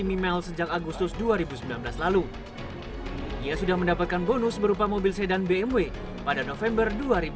sejak agustus dua ribu sembilan belas lalu ia sudah mendapatkan bonus berupa mobil sedan bmw pada november dua ribu dua puluh